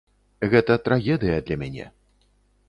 Гэта трагедыя для мяне.